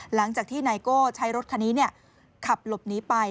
หลังจากที่ไนโก้ใช้รถคันนี้ขับหลบหนีไป